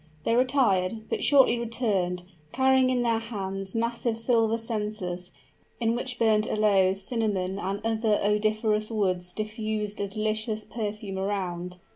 They retired, but shortly returned, carrying in their hands massive silver censers, in which burnt aloes, cinnamon and other odoriferous woods diffused a delicious perfume around.